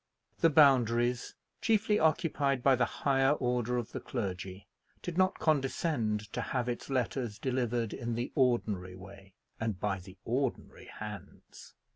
The Boundaries, chiefly occupied by the higher order of the clergy, did not condescend to have its letters delivered in the ordinary way, and by the ordinary hands.